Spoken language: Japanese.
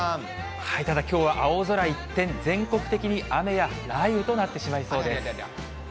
ただ、きょうは青空一転、全国的に雨や雷雨となってしまいそうです。